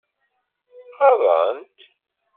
Ɣaḍen-t?